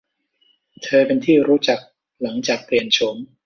เธอเป็นที่รู้จักหลังจากเปลี่ยนโฉม